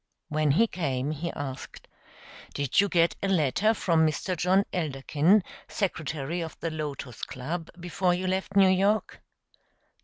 When he came he asked: "Did you get a letter from Mr. John Elderkin, secretary of the Lotos Club, before you left New York?"